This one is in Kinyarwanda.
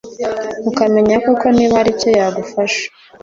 ukamenya koko niba hari icyo yagufasha